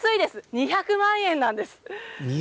２００万円なんです。